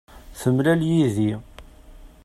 Temlal yid-i.